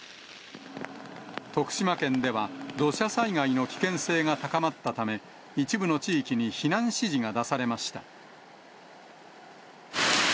徳島県では土砂災害の危険性が高まったため、一部の地域に避難指示が出されました。